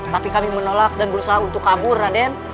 tapi kami menolak dan berusaha untuk kabur raden